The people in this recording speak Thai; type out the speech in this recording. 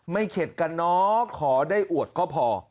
เข็ดกันเนาะขอได้อวดก็พอ